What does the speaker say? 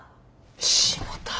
しもた！